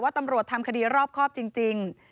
ตำรวจทำคดีรอบครอบจริง